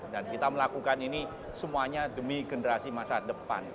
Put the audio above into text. dan kita melakukan ini semuanya demi generasi masa depan